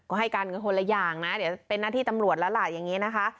ก็ให้กันคนละอย่างเป็นหน้าที่ตำรวจละหลัดอย่างนี้นะคะ